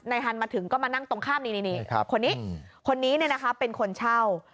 ฮันมาถึงก็มานั่งตรงข้ามนี่คนนี้คนนี้เป็นคนเช่า